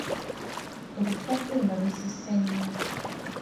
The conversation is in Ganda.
Ebitooke bino bizise nnyo.